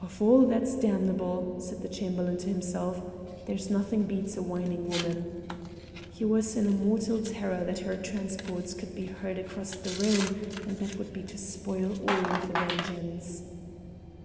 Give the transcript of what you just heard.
"Of all that's damnable," said the Chamberlain to himself, "there's nothing beats a whining woman!" He was in a mortal terror that her transports could be heard across the room, and that would be to spoil all with a vengeance.